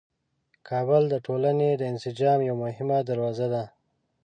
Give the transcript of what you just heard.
کابل د ټولنې د انسجام یوه مهمه دروازه ده.